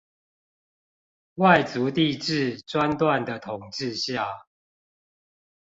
外族帝制專斷的統治下